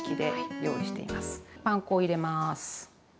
パン粉を入れます分量の。